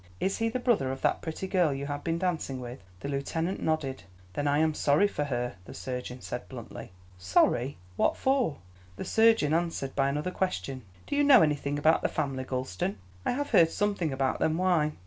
"Is he the brother of that pretty girl you have been dancing with?" The lieutenant nodded. "Then I am sorry for her," the surgeon said, bluntly. "Sorry! What for?" The surgeon answered by another question. "Do you know anything about the family, Gulston?" "I have heard something about them. Why?"